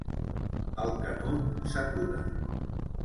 El Canut s'atura.